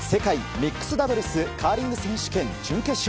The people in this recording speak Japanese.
ミックスダブルスカーリング選手権準決勝。